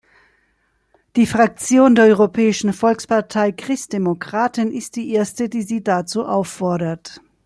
Die Fraktion der Europäischen Volkspartei Christdemokraten ist die erste, die sie dazu auffordert.